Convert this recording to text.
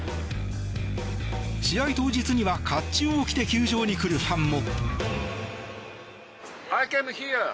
試合当日には甲冑を着て球場に来るファンも。